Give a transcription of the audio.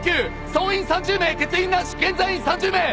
総員３０名欠員なし現在員３０名。